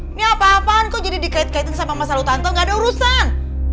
ini apa apaan kok jadi dikait kaitin sama masa lalu tante gak ada urusan